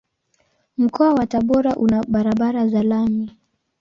Mkoa wa Tabora una barabara za lami.